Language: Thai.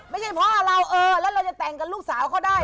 ไม่ใช่พ่อเราเออแล้วเราจะแต่งกับลูกสาวเขาได้